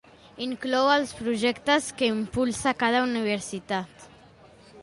Inclou els projectes que impulsa cada universitat.